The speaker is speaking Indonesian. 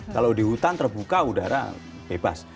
kalau di hutan terbuka udara bebas